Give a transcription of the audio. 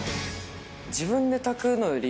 自分で炊くのより